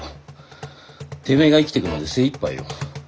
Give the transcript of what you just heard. てめえが生きてくので精いっぱいよ。